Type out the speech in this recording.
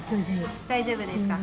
大丈夫ですか？